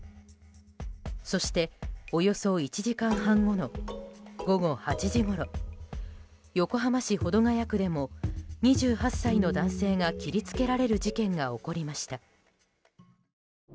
そして、およそ１時間半後の午後８時ごろ横浜市保土ケ谷区でも２８歳の男性が切りつけられる事件が起こりました。